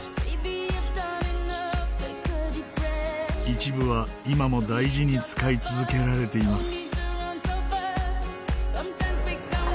一部は今も大事に使い続けられています。